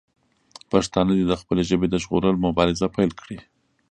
پښتانه دې د خپلې ژبې د ژغورلو مبارزه پیل کړي.